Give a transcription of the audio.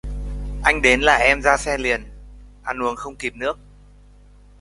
Anh đến là em ra xe liền, ăn không kịp uống nước